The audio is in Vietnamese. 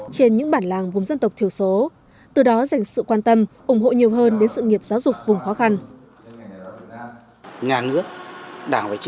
trên những bản làng vùng dân tộc thiểu số từ đó dành sự quan tâm ủng hộ nhiều người